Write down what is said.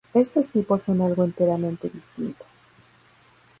Estos tipos son algo enteramente distinto.